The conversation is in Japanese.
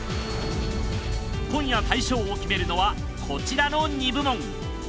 今夜大賞を決めるのはこちらの２部門。